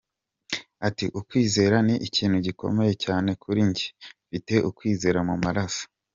Ati :« Ukwizera ni ikintu gikomeye cyane kuri njye, mfite ukwizera mu maraso.